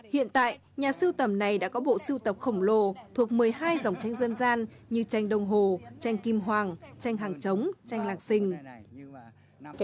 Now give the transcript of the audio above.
hiện tại nhà sưu tầm này đã có bộ sưu tập khổng lồ thuộc một mươi hai dòng tranh dân gian như tranh đồng hồ tranh kim hoàng tranh hàng chống tranh lạc sinh